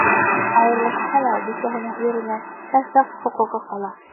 Айырылышһа ла бисәһенең иренә һәр саҡ хоҡуғы ҡала!